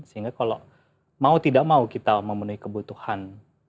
sehingga kalau mau tidak mau kita memenuhi kebutuhan